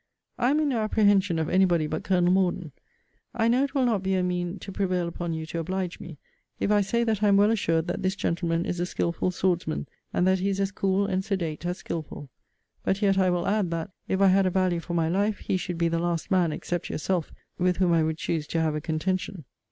I am in no apprehension of any body but Colonel Morden. I know it will not be a mean to prevail upon you to oblige me, if I say that I am well assured that this gentleman is a skillful swordsman; and that he is as cool and sedate as skillful. But yet I will add, that, if I had a value for my life, he should be the last man, except yourself, with whom I would choose to have a contention.